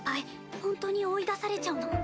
ほんとに追い出されちゃうの？